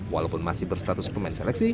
walaupun masih berstatus pemain seleksi